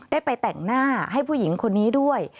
ได้ไปแต่งหน้าให้ผู้หญิงคนนี้ด้วย